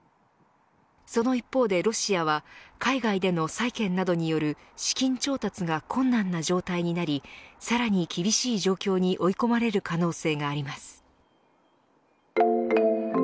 その一方でロシアは海外での債券などによる資金調達が困難な状態になりさらに厳しい状況に追い込まれる可能性があります。